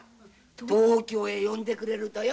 東京へ呼んでくれるとよ。